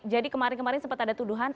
jadi kemarin kemarin sempat ada tuduhan